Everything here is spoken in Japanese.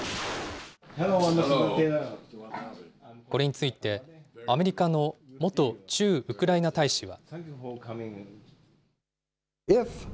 これについて、アメリカの元駐ウクライナ大使は。